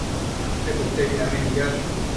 Acte potebidanec nidash